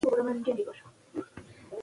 اسمي پریفکسونه د اسمو مانا بدلوي.